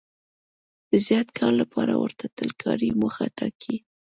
د زیات کار لپاره ورته تل کاري موخه ټاکي.